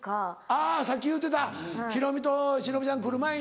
あぁさっき言うてたヒロミと忍ちゃん来る前に。